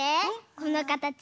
このかたち